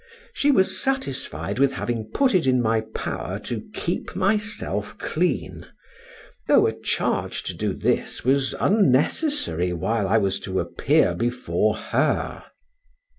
She was satisfied with having put it in my power to keep myself clean, though a charge to do this was unnecessary while I was to appear before her.